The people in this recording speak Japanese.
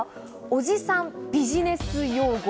おじさんビジネス用語。